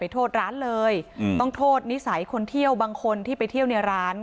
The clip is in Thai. โทษร้านเลยต้องโทษนิสัยคนเที่ยวบางคนที่ไปเที่ยวในร้าน